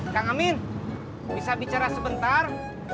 kang amin bisa bicara sebentar